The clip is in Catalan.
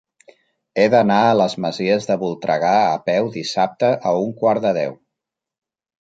He d'anar a les Masies de Voltregà a peu dissabte a un quart de deu.